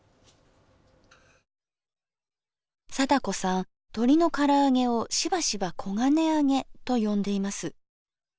貞子さんとりの唐揚げをしばしば「黄金あげ」と呼んでいます。